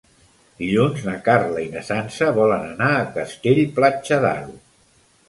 Dilluns na Carla i na Sança volen anar a Castell-Platja d'Aro.